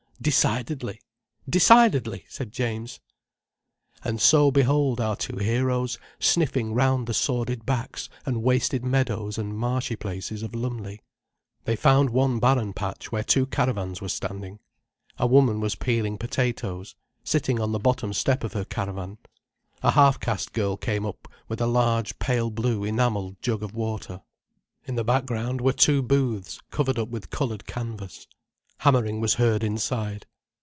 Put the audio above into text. "Decidedly—decidedly!" said James. And so behold our two heroes sniffing round the sordid backs and wasted meadows and marshy places of Lumley. They found one barren patch where two caravans were standing. A woman was peeling potatoes, sitting on the bottom step of her caravan. A half caste girl came up with a large pale blue enamelled jug of water. In the background were two booths covered up with coloured canvas. Hammering was heard inside.